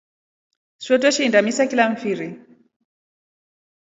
Swee tweshinda misa kila mfiri.